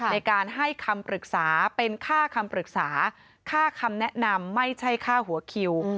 ในการให้คำปรึกษาเป็นค่าคำปรึกษาค่าคำแนะนำไม่ใช่ค่าหัวคิว